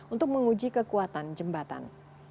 untuk menguji kekuatan jembatan